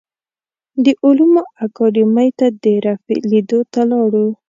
د علومو اکاډیمۍ ته د رفیع لیدو ته لاړو.